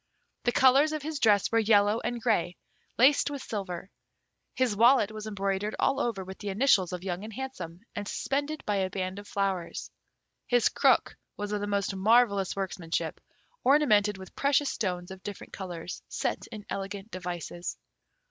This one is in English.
The colours of his dress were yellow and grey, laced with silver. His wallet was embroidered all over with the initials of Young and Handsome, and suspended by a band of flowers. His crook was of the most marvellous workmanship, ornamented with precious stones of different colours set in elegant devices.